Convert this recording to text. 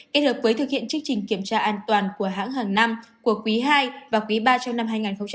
kết hợp với thực hiện chương trình kiểm tra an toàn của hãng hàng năm của quý ii và quý ii trong năm hai nghìn hai mươi